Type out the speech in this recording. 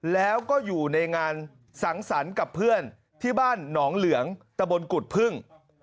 แล้วก็อยู่ในงานสังสรรค์กับเพื่อนที่บ้านหนองเหลืองตะบนกุฎพึ่ง